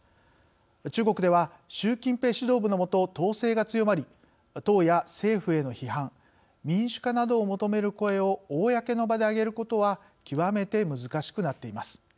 中国では習近平指導部のもと統制は強まり党や政府への批判、民主化などを求める声を公の場で上げることは極めて難しくなっています。